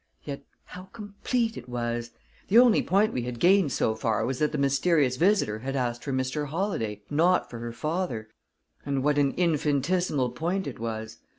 Yet, how complete it was! The only point we had gained, so far, was that the mysterious visitor had asked for Mr. Holladay, not for her father and what an infinitesimal point it was!